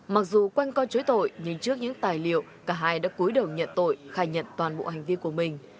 mặc dù quanh coi chối tội nhưng trước những tài liệu cả hai đã cuối đầu nhận tội khai nhận toàn bộ hành vi của mình